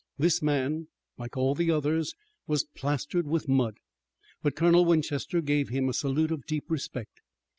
This man, like all the others, was plastered with mud, but Colonel Winchester gave him a salute of deep respect.